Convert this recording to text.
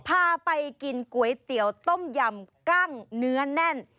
พาไปกินก๋วยเตี๋ยวต้มยำกั้งเนื้อแน่น